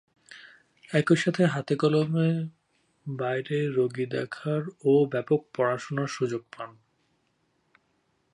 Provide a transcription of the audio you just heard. একই সাথে হাতে কলমে বাইরের রোগী দেখার ও ব্যাপক পড়াশুনার সুযোগ পান।